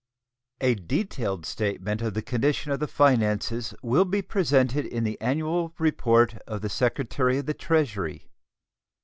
A detailed statement of the condition of the finances will be presented in the annual report of the Secretary of the Treasury.